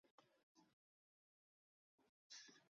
育有一子一女。